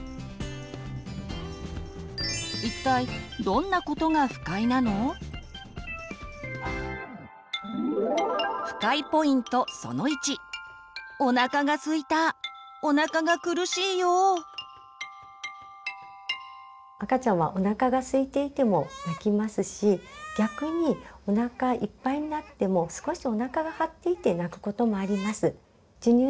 一体赤ちゃんはおなかがすいていても泣きますし逆におなかいっぱいになっても少しおなかが張っていて泣くこともあります。